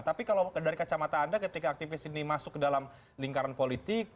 tapi kalau dari kacamata anda ketika aktivis ini masuk ke dalam lingkaran politik